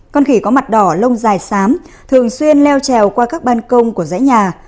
con khỉ có mặt đỏ lông dài xám thường xuyên leo trèo qua các ban công của dãy nhà